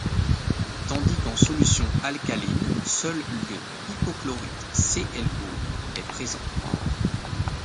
Tandis qu'en solution alcaline, seul l'ion hypochlorite ClO est présent.